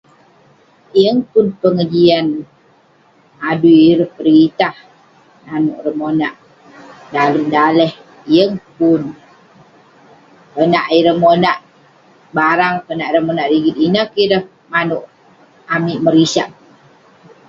Yeng pun pengejian adui ireh peritah...nanouk ireh monak dalem daleh..yeng pun..konak ireh monak barang, konak ireh monak rigit ineh keh ireh manouk amik merisak..